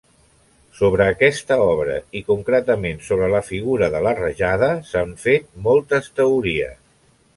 Sobre aquesta obra i concretament sobre la figura de la Rajada s'han fet moltes teories.